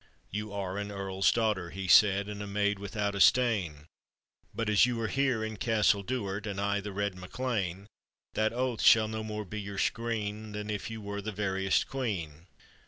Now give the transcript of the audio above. " You are an earl's daughter," he said, "And a maid without a stain ; But as you are here in Castle Duard, And I the red MacLean, That oath shall no more be your screen Than if you were the veriest quean."